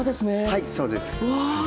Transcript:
はいそうです。うわ。